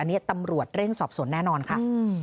อันนี้ตำรวจเร่งสอบสวนแน่นอนค่ะ